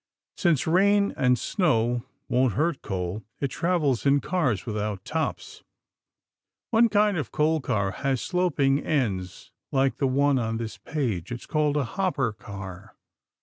Since rain and snow won't hurt coal, it travels in cars without tops. One kind of coal car has sloping ends like the one on this page. It is called a hopper car.